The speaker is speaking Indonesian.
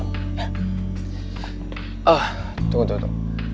tunggu tunggu tunggu